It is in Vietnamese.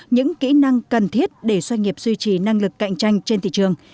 những kỹ năng cần thiết để doanh nghiệp duy trì năng lực cạnh tranh trên thị trường